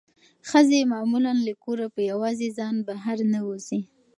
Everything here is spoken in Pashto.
ښځې معمولا له کوره په یوازې ځان بهر نه وځي.